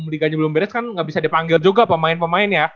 liga nya belum beres kan gak bisa dipanggil juga pemain pemain ya